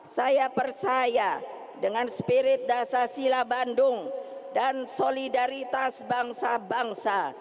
saya percaya dengan spirit dasar sila bandung dan solidaritas bangsa bangsa